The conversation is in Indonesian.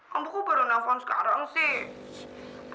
kenapa baru nafas sekarang sih